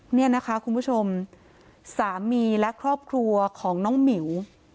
เนี่ยนะคะคุณผู้ชมสามีและครอบครัวของน้องหมิว